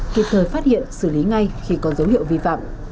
các bệnh viện xử lý ngay khi có dấu hiệu vi phạm